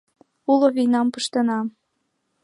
Уло вийнам пыштена!